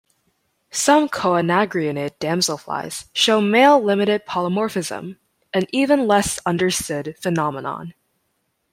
Some Coenagrionid damselflies show male-limited polymorphism, an even less understood phenomenon.